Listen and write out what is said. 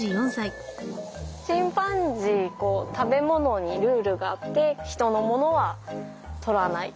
チンパンジー食べ物にルールがあって人のものはとらない。